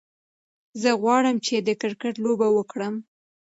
زه غواړم چې د کرکت لوبه وکړم.